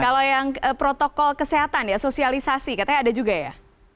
kalau yang protokol kesehatan ya sosialisasi katanya ada juga ya